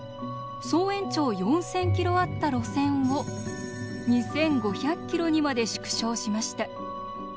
総延長４，０００ｋｍあった路線を２，５００ｋｍにまで縮小しました。